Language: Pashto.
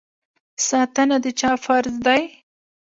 ساتنه د چا فرض دی؟